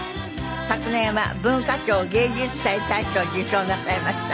昨年は文化庁芸術祭大賞を受賞なさいました。